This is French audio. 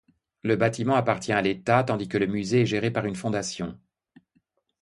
Le bâtiment appartient à l'état, tandis que le musée est géré par une fondation.